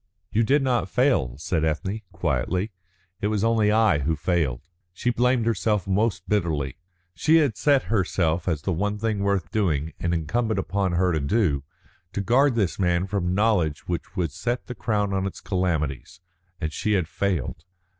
"You did not fail," said Ethne, quietly; "it was only I who failed." She blamed herself most bitterly. She had set herself, as the one thing worth doing, and incumbent on her to do, to guard this man from knowledge which would set the crown on his calamities, and she had failed.